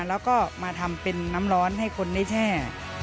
แล้วก็มาทำเป็นน้ำร้อนให้คนได้แช่